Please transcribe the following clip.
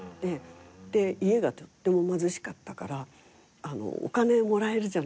で家がとっても貧しかったからお金もらえるじゃないですか。